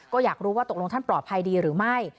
ก็อยากรู้ว่าตกลงท่านปลอดภัยดีหรือไม่